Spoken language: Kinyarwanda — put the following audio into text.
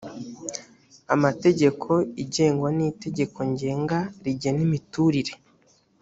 amategeko igengwa n itegeko ngenga rigena imiturire